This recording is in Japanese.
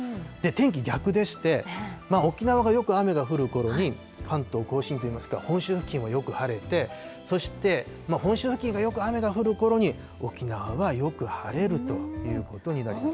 天気逆でして、沖縄がよく雨が降るころに関東甲信といいますか、本州付近はよく晴れて、そして本州付近がよく雨が降るころに、沖縄はよく晴れるということになります。